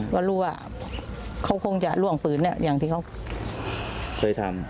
ก็รู้ว่าเขาคงจะล่วงปืนอย่างที่เขาเคยทำ